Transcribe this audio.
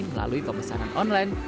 melalui pemesanan online